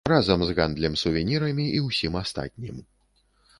Разам з гандлем сувенірамі і ўсім астатнім.